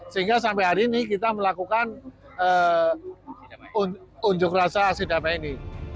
sehingga sampai hari ini kita melakukan unjuk rasa aksi damai ini